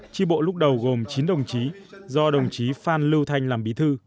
tri bộ lúc đầu gồm chín đồng chí do đồng chí phan lưu thanh làm bí thư